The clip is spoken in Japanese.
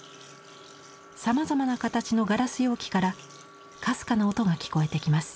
さまざまな形のガラス容器からかすかな音が聞こえてきます。